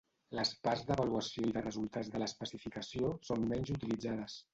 Les parts d'avaluació i de resultats de l'especificació són menys utilitzades.